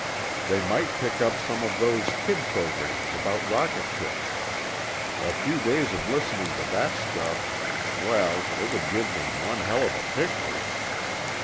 They might pick up some of those kid programs about rocket ships. A few days of listening to that stuff—well, it would give them one hell of a picture."